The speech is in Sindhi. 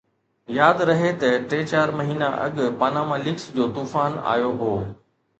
ياد رهي ته ٽي چار مهينا اڳ پاناما ليڪس جو طوفان آيو هو